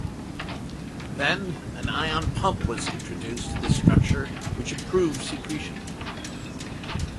Then, an ion pump was introduced to this structure which improved secretion.